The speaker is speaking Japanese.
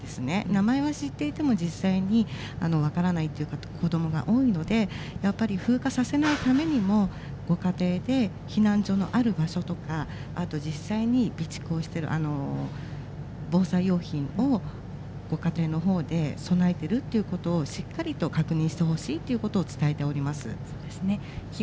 名前は知っていても、実際に分からないという子どもが多いので、やっぱり風化させないためにも、ご家庭で避難所のある場所とか、あと実際に備蓄をしている防災用品をご家庭のほうで備えてるってことを、しっかりと確認してほしいということを伝えております。